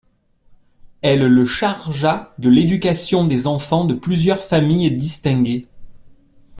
Elle le chargea de l’éducation des enfants de plusieurs familles distinguées.